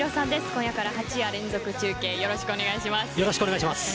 今夜から８夜連続中継よろしくお願いします。